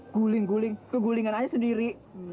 guling guling kegulingan aja sendiri